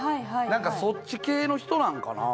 そっち系の人なんかな？